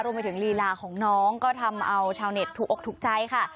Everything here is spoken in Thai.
ลีลาของน้องก็ทำเอาชาวเน็ตถูกอกถูกใจค่ะ